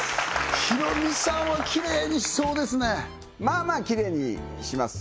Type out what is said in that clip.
ヒロミさんはキレイにしそうですねまあまあキレイにします